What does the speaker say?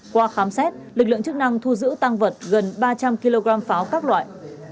qua khám xét lực lượng chức năng thu giữ tăng vật gần ba trăm linh kg pháo các loại